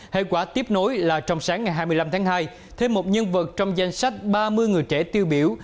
hệ quả tiếp nối là trong sáng ngày hai mươi năm tháng hai thêm một nhân vật trong danh sách ba mươi người trẻ tiêu biểu